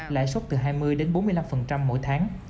lãi suất từ hai mươi đến bốn mươi năm mỗi tháng